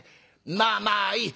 まあまあいい。